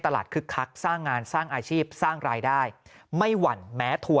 คึกคักสร้างงานสร้างอาชีพสร้างรายได้ไม่หวั่นแม้ทัวร์